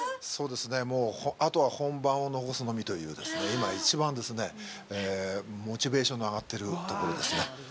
もうあとは本番を残すのみという今、一番、モチベーションが上がってるところですね。